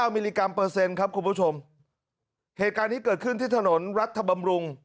มิลลิกรัมเปอร์เซ็นต์ครับคุณผู้ชมเหตุการณ์นี้เกิดขึ้นที่ถนนรัฐบำรุง